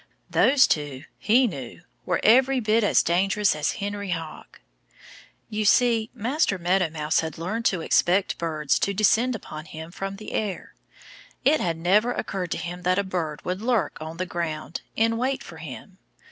Those two, he knew, were every bit as dangerous as Henry Hawk. You see, Master Meadow Mouse had learned to expect birds to descend upon him from the air. It had never occurred to him that a bird would lurk on the ground, in wait for him.